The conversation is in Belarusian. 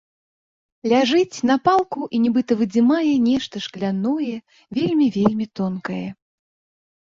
Ляжыць на палку і нібыта выдзімае нешта шкляное, вельмі, вельмі тонкае.